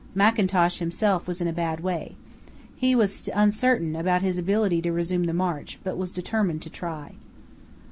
Mackintosh himself was in a bad way. He was uncertain about his ability to resume the march, but was determined to try.